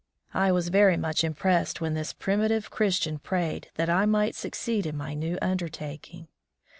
I was very much impressed when this primitive Christian prayed that I might succeed in my new undertaking.